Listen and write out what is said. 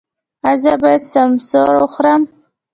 ایا زه باید سموسه وخورم؟